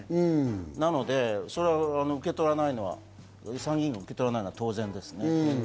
なので、それを受け取らないのが当然ですね。